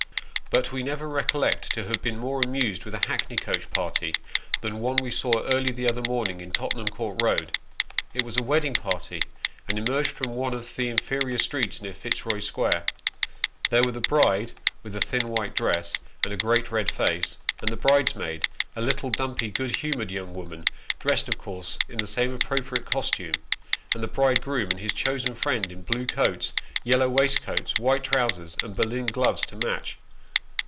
But we never recollect to have been more amused with a hackney coach party, than one we saw early the other morning in Tottenham court Eoad. It was a wedding party, and emerged from one of the inferior streets near Fitzroy Square. There were the bride, with a thin white dress, and a great red face ; and the bridesmaid, a little, dumpy, good humoured young woman, dressed, of course, in the same appropriate costume ; and the bridegroom and his chosen friend, in blue coats, yellow waistcoats, white trousers, and Berlin gloves to match.